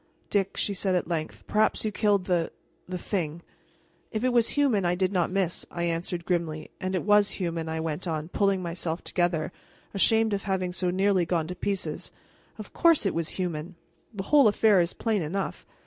"Dick," she said at length, "perhaps you killed the the thing." "If it was human I did not miss," I answered grimly. "And it was human," I went on, pulling myself together, ashamed of having so nearly gone to pieces. "Of course it was human! The whole affair is plain enough.